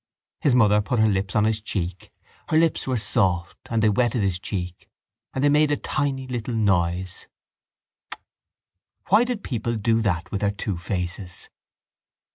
His mother put her lips on his cheek; her lips were soft and they wetted his cheek; and they made a tiny little noise: kiss. Why did people do that with their two faces?